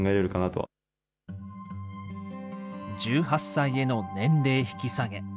１８歳への年齢引き下げ。